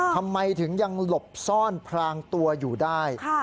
ทำไมถึงยังหลบซ่อนพรางตัวอยู่ได้